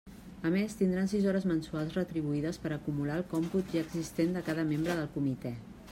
A més, tindran sis hores mensuals retribuïdes per acumular al còmput ja existent de cada membre del comitè.